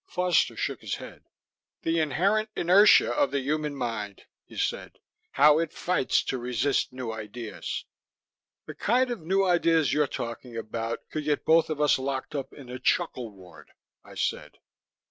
Foster shook his head. "The inherent inertia of the human mind," he said. "How it fights to resist new ideas." "The kind of new ideas you're talking about could get both of us locked up in the chuckle ward," I said.